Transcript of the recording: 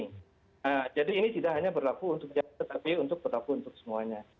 nah jadi ini tidak hanya berlaku untuk jasa tetapi untuk berlaku untuk semuanya